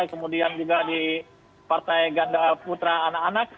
kemudian juga di partai ganda putra anak anak